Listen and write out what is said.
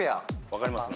分かります？